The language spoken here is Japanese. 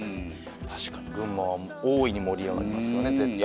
確かに群馬は大いに盛り上がりますよね絶対に。